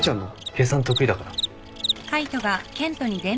計算得意だから。